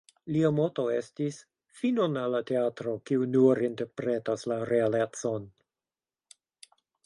Lia moto estis: "„Finon al la teatro, kiu nur interpretas la realecon!